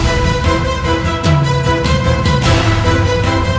saya tidak akan mencari suami